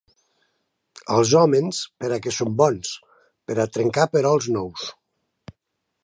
Els hòmens per a què són bons? Per a trencar perols nous!